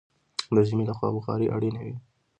د ژمي له خوا بخارۍ اړینه وي.